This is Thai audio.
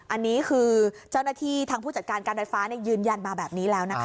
อันนี้คือเจ้าหน้าที่ทางผู้จัดการการไฟฟ้ายืนยันมาแบบนี้แล้วนะคะ